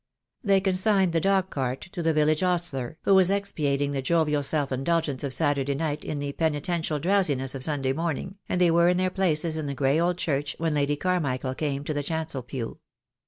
They consigned the dog cart to the village ostler, who was expiating the jovial self indulgence of Saturday I58 THE DAY WILL COME, night in the penitential drowsiness of Sunday morning, and they were in their places in the grey old church when Lady Carmichael came to the chancel pew.